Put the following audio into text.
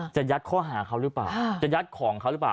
จะยัดข้อหาเขาหรือเปล่าจะยัดของเขาหรือเปล่า